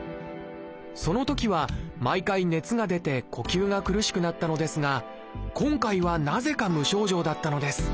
そのときは毎回熱が出て呼吸が苦しくなったのですが今回はなぜか無症状だったのです。